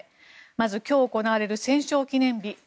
まず、今日行われる戦勝記念日。